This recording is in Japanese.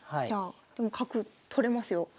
じゃあでも角取れますよ